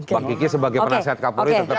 bang kiki sebagai penasehat kapolri tetap